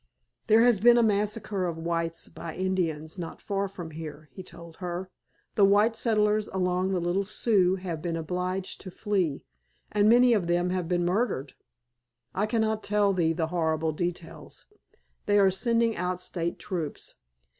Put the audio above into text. "There has been a massacre of whites by the Indians not far from here," he told her. "The white settlers along the Little Sioux have been obliged to flee, and many of them have been murdered. I cannot tell thee the horrible details. They are sending out State troops.